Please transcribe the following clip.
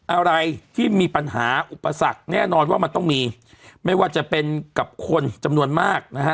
อะไรที่มีปัญหาอุปสรรคแน่นอนว่ามันต้องมีไม่ว่าจะเป็นกับคนจำนวนมากนะฮะ